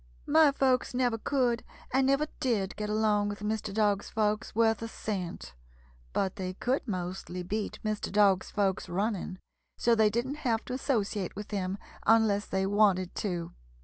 "My folks never could and never did get along with Mr. Dog's folks worth a cent, but they could mostly beat Mr. Dog's folks running, so they didn't have to associate with him unless they wanted to."